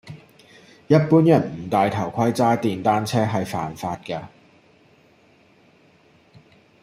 一般人唔戴頭盔揸電單車係犯法㗎